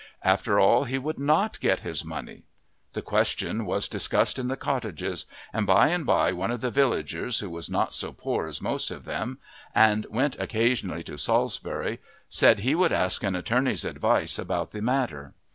After all he would not get his money! The question was discussed in the cottages, and by and by one of the villagers who was not so poor as most of them, and went occasionally to Salisbury, said he would ask an attorney's advice about the matter.